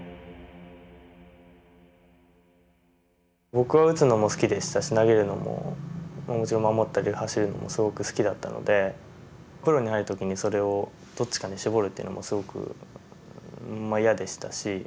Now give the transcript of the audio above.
僕は打つのも好きでしたし投げるのももちろん守ったり走るのもすごく好きだったのでプロに入る時にそれをどっちかに絞るっていうのもすごくまあ嫌でしたし。